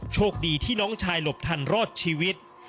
โชคดีที่น้องชายหลบทันรอดชีวิต